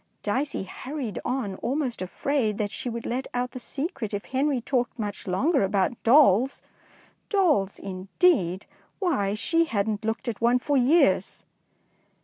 '' Dicey hurried on, almost afraid that she would let out the secret if Henry talked much longer about dolls. Dolls, indeed! why, she hadn't looked at one for years